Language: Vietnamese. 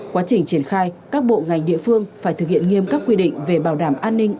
quá trình triển khai các bộ ngành địa phương phải thực hiện nghiêm các quy định về bảo đảm an ninh